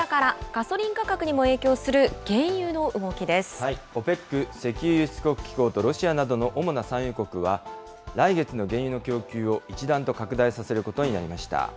ガソリン価格にも影響する原油のＯＰＥＣ・石油輸出国機構とロシアなどの主な産油国は、来月の原油の供給を一段と拡大させることになりました。